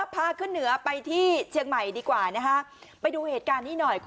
พาขึ้นเหนือไปที่เชียงใหม่ดีกว่านะคะไปดูเหตุการณ์นี้หน่อย